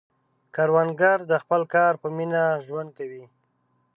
کروندګر د خپل کار په مینه ژوند کوي